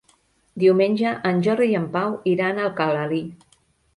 Diumenge en Jordi i en Pau iran a Alcalalí.